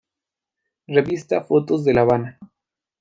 Revista Fotos de La Habana.